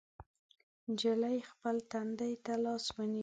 نجلۍ خپل تندي ته لاس ونيو.